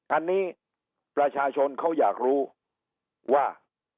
อันนี้ประชาชนเขาอยากรู้ว่า